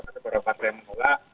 ada beberapa yang menolak